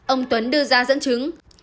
ông tuấn đưa ra dẫn chứng